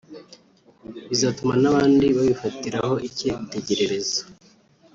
bizatuma n’abandi babifatiraho icyitegererezo